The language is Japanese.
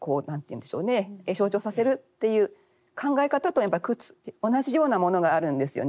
象徴させるっていう考え方とやっぱり同じようなものがあるんですよね。